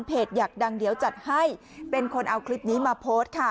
อยากดังเดี๋ยวจัดให้เป็นคนเอาคลิปนี้มาโพสต์ค่ะ